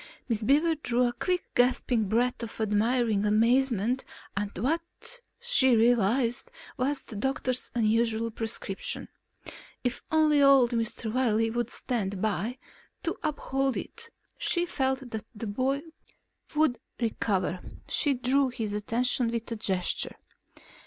Miss Beaver drew in a quick gasping breath of admiring amazement at what she realized was the doctor's unusual prescription. If only old Mr. Wiley would stand by, to uphold it, she felt that the boy would recover. She drew his attention with a gesture.